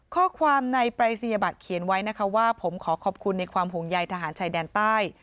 ข้อความในปรายศนียบัตรเขียนไว้นะคะว่าผมขอขอบคุณในความห่วงใยทหารชายแดนใต้